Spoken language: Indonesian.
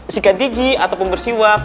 sikat gigi ataupun bersiwak